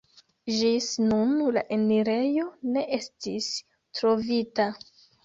Ĝis nun la enirejo ne estis trovita.